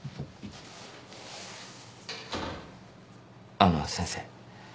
あの先生。